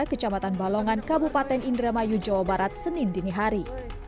kecamatan balongan kabupaten indramayu jawa barat senin dinihari